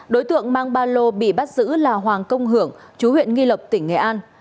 đối tượng mang ba lô bị bắt giữ là hoàng công hưởng chú huyện nghi lộc tỉnh nghệ an